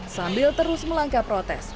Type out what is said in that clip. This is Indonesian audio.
sambil terus melangkah protes